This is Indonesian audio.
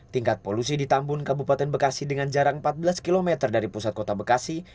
tingkat polusi di tambun kabupaten bekasi dengan jarak empat belas km dari pusat kota bekasi